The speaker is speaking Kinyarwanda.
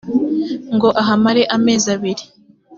ngo ahamare amezi abiri.